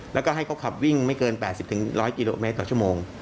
แล้วก็ให้เขาขับวิ่งไม่เกิน๘๐๑๐๐กิโลเมตรต่อชั่วโมง